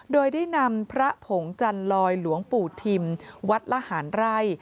โดยได้นำพระผงจันลอยหลวงปู่ทิมวัดละหารไร่